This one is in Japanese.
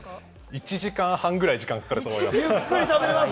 １時間半ぐらいかかると思います。